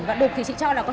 mà nó nhiều hơn lên